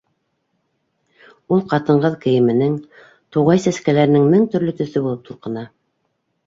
Ул ҡатын-ҡыҙ кейеменең, туғай сәскәләренең мең төрлө төҫө булып тулҡына.